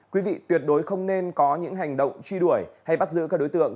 quý vị tuyệt đối không nên có những hành động truy đuổi hay bắt giữ các đối tượng